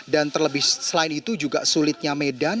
dan terlebih selain itu juga sulitnya medan